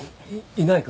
いないか？